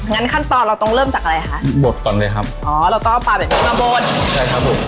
งั้นขั้นตอนเราต้องเริ่มจากอะไรคะบดก่อนเลยครับอ๋อเราต้องเอาปลาแบบนี้มาบนใช่ครับผม